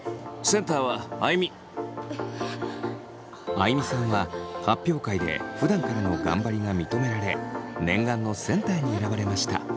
あいみさんは発表会でふだんからの頑張りが認められ念願のセンターに選ばれました。